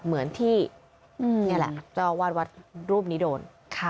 เหมือนที่นี่แหละเจ้าอาวาสวัดรูปนี้โดน